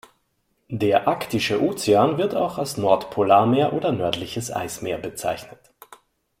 Der Arktische Ozean, wird auch als Nordpolarmeer oder nördliches Eismeer bezeichnet.